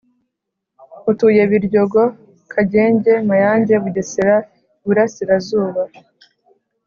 utuye Biryogo Kagenge Mayange Bugesera Iburasirazuba